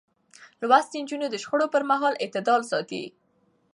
لوستې نجونې د شخړو پر مهال اعتدال ساتي.